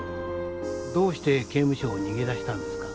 どうして刑務所を逃げ出したんですか？